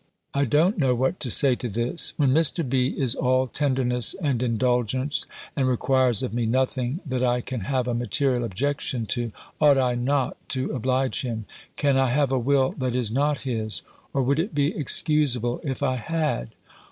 _ I don't know what to say to this. When Mr. B. is all tenderness and indulgence, and requires of me nothing, that I can have a material objection to, ought I not to oblige him? Can I have a will that is not his? Or would it be excusable if I _had?